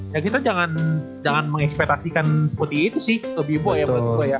ya kita jangan mengekspetasikan seperti itu sih kalo bboy ya